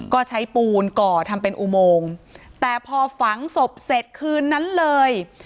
ก็ใช้ปูนก่อทำเป็นอุโมงแต่พอฝังศพเสร็จคืนนั้นเลย